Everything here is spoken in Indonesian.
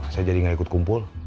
saya jadi nggak ikut kumpul